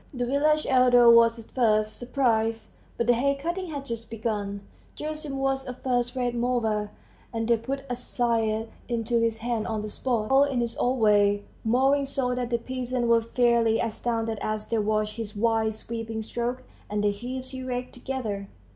The village elder was at first surprised; but the hay cutting had just begun; Gerasim was a first rate mower, and they put a scythe into his hand on the spot, and he went to mow in his old way, mowing so that the peasants were fairly astounded as they watched his wide sweeping strokes and the heaps he raked together.